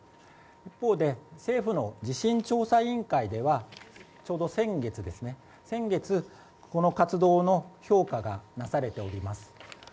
一方で政府の地震調査委員会ではちょうど先月、この活動の評価がなされております。